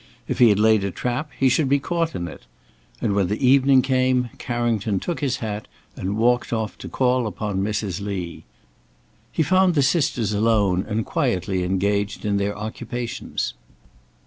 If he had laid a trap, he should be caught in it. And when the evening came, Carrington took his hat and walked off to call upon Mrs. Lee. He found the sisters alone and quietly engaged in their occupations.